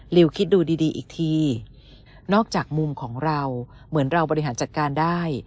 คิดดูดีอีกทีนอกจากมุมของเราเหมือนเราบริหารจัดการได้